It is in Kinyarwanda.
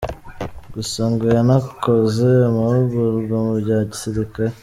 Gusa ngo yanakoze amahugurwa mu bya gisirikare.